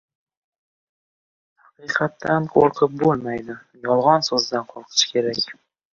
• Haqiqatdan qo‘rqib bo‘lmaydi, yolg‘on so‘zdan qo‘rqish kerak.